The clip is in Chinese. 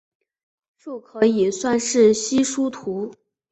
树可以算是稀疏图。